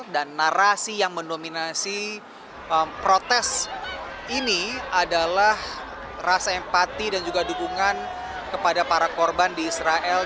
narasi yang mendominasi protes ini adalah rasa empati dan juga dukungan kepada para korban di israel